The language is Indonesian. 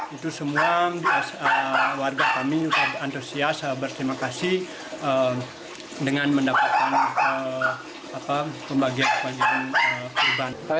itu semua warga kami antusias berterima kasih dengan mendapatkan pembagian pembagian